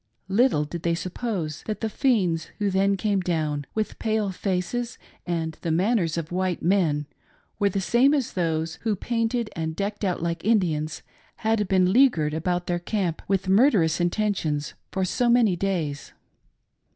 Little did they suppose that the fiends who then came down, with pale faces and the manners of white men, were the same as those who, painted and decked out like Indians, had been leaguered about their camp with murderous intentions for so many days.